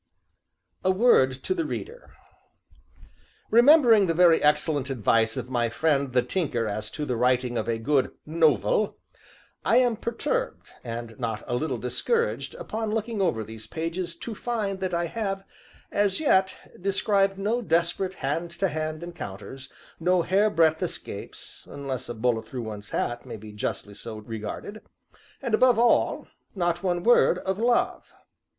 A WORD TO THE READER Remembering the very excellent advice of my friend the Tinker as to the writing of a good "nov el," I am perturbed, and not a little discouraged, upon looking over these pages, to find that I have, as yet, described no desperate hand to hand encounters, no hairbreadth escapes (unless a bullet through one's hat may be justly so regarded), and, above all not one word of LOVE!